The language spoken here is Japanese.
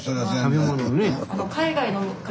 食べ物のね。